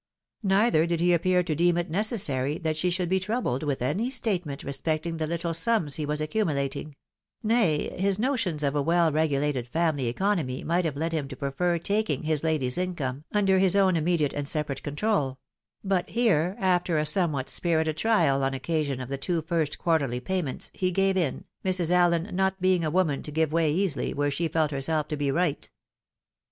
Neither did he appear to deem it necessary that she should be troubled with any statement respecting the Httle sums he was accumulating ; nay, his notions of a weU regulated family economy might have led him to prefer taking his lady's income under his own immediate and separate control ; but here, after a somewhat spirited trial on occasion of the two first quarterly payments, he gave in, Mrs. AUen not being a woman to give way easily, where she felt herself to be right.